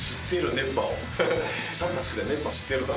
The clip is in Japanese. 熱波吸ってやるから。